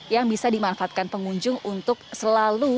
yang bisa dimanfaatkan pengunjung untuk selalu